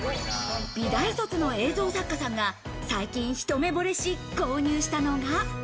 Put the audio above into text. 美大卒の映像作家さんが最近一目ぼれし、購入したのが。